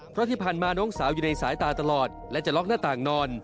เพราะที่ผ่านมาน้องสาวอยู่ในสายตาตลอดและจะล็อกหน้าต่างนอน